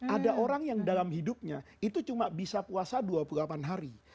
ada orang yang dalam hidupnya itu cuma bisa puasa dua puluh delapan hari